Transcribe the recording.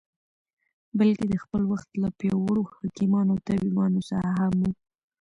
بلکې د خپل وخت له پیاوړو حکیمانو او طبیبانو څخه هم و.